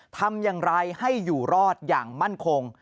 ทำอย่างไรให้อยู่รอดอย่างมั่นคง